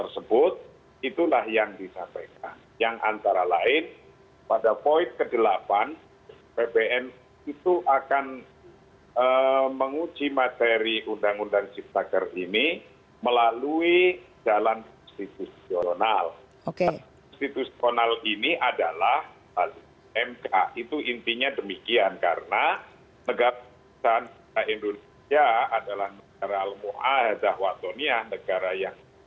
selain itu presiden judicial review ke mahkamah konstitusi juga masih menjadi pilihan pp muhammadiyah